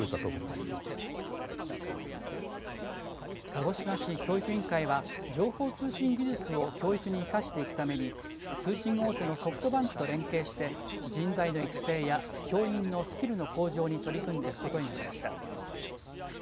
鹿児島市教育委員会は情報通信技術を教育に生かしていくために通信大手のソフトバンクを連携して人材の育成や教員のスキルの向上に取り組んでいくことになりました。